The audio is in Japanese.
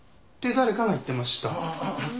誰かが言ってました。